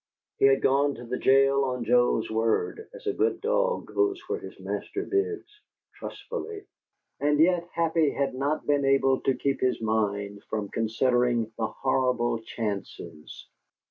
He had gone to the jail on Joe's word, as a good dog goes where his master bids, trustfully; and yet Happy had not been able to keep his mind from considering the horrible chances.